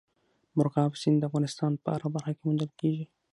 مورغاب سیند د افغانستان په هره برخه کې موندل کېږي.